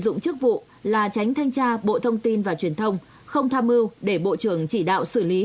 dụng chức vụ là tránh thanh tra bộ thông tin và truyền thông không tham mưu để bộ trưởng chỉ đạo xử lý